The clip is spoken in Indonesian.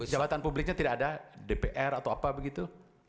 jabatan publiknya tidak ada dpr atau apa begitu